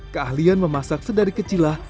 keahlian memasak sedari kecilah